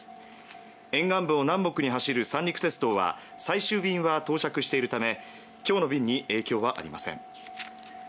沿岸部を南北に走る三陸鉄道は最終便は到着しているため今日の便に影響はありません。